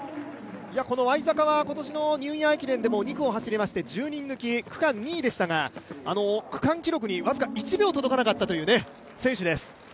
ワイザカは今年のニューイヤー駅伝でも２区を走りまして１０人抜き区間２位でしたが、区間記録に僅か１秒届かなかったという選手です。